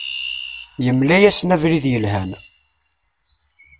Yemla-asen-d abrid yelhan.